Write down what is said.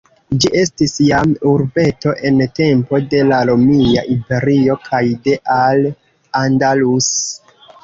Ĝi estis jam urbeto en tempo de la Romia Imperio kaj de Al-Andalus.